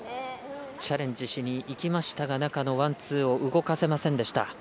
チャレンジしにいきましたが中のワン、ツーを動かせませんでした。